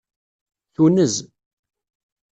Tunez.